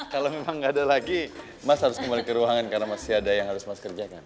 kalau memang nggak ada lagi mas harus kembali ke ruangan karena masih ada yang harus mas kerjakan